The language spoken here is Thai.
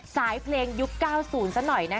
สายเพลงยุค๙๐ซะหน่อยนะ